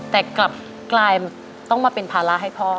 แต่กลับกลายต้องมาเป็นภาระให้พ่อ